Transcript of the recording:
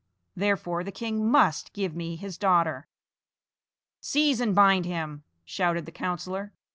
Therefore the king must give me his daughter." "Seize and bind him!" shouted the councillor.